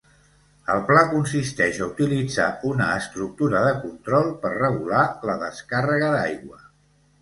El pla consisteix a utilitzar una estructura de control per regular la descàrrega d'aigua.